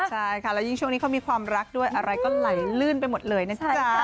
ใช่ค่ะแล้วยิ่งช่วงนี้เขามีความรักด้วยอะไรก็ไหลลื่นไปหมดเลยนะจ๊ะ